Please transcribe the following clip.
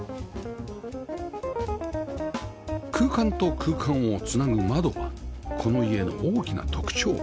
空間と空間を繋ぐ窓はこの家の大きな特徴